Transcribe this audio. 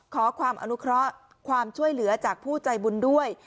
ขอความอนุเคราะห์ความช่วยเหลือจากผู้ใจบุญด้วย